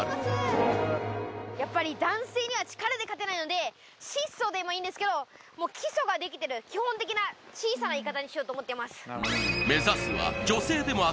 やっぱり男性には力で勝てないので質素でもいいんですけどもう基礎ができてる基本的な小さなイカダにしようと思ってます